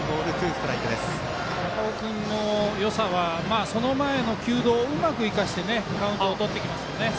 高尾君のよさはその前の球道をうまく生かしてカウントをとってきますね。